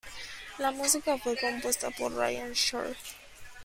La música fue compuesta por Ryan Shore.